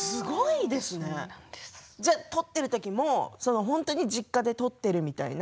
撮っている時も本当に実家で撮っているみたいな。